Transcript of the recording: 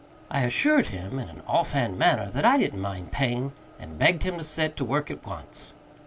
I assured him, in an off hand manner, that I didn't mind pain, and begged him to set to work at once.